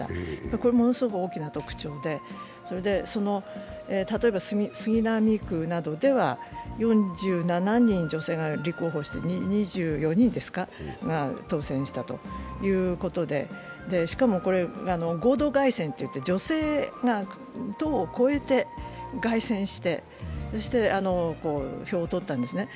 これ、ものすごく大きな特徴で、例えば杉並区などでは４７人、女性が立候補して２４人が当選したということでしかも、合同街宣といって、女性が党を超えて街宣してそして票を取ったんですね。